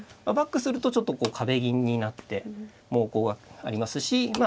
バックするとちょっと壁銀になって猛攻がありますし。